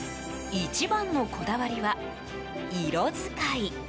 一番のこだわりは、色使い。